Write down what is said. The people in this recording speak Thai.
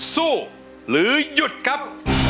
สู้หรือหยุดครับ